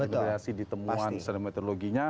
generasi ditemuan dan metodologinya